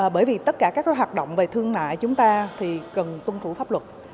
bởi vì tất cả các hoạt động về thương mại chúng ta thì cần tuân thủ pháp luật